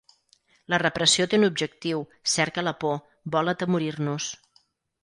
La repressió té un objectiu, cerca la por, vol atemorir-nos.